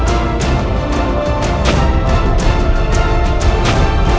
untuk membunuh gadis itu